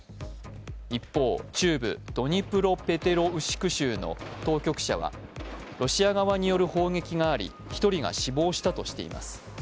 一方、中部ドニプロペトロウシク州の当局者はロシア側による砲撃があり１人が死亡したとしています。